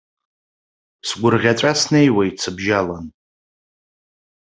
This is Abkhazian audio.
Сгәырӷьаҵәа снеиуеит сыбжьалан.